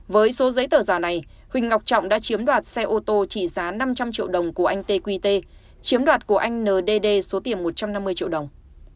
với số giấy tờ giả này huỳnh ngọc trọng đã chiếm đoạt xe ô tô trị giá năm trăm linh triệu đồng của anh tqt chiếm đoạt của anh ndd số tiền một trăm năm mươi triệu đồng